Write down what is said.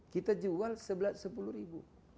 kita jual rp sepuluh